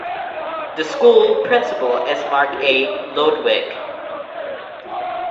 , the school principal is Mark A. Lodewyk.